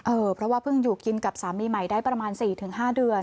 เพราะว่าเพิ่งอยู่กินกับสามีใหม่ได้ประมาณ๔๕เดือน